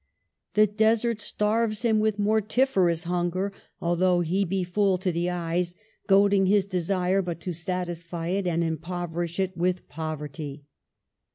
The desert starves him with mortiferous hunger, although he be full to the eyes ; goading his desire but to satisfy it and impoverish it with poverty."